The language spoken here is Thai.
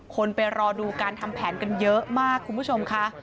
คนไปรอดูการทำแผนกันเยอะมากคุณผู้ชมค่ะ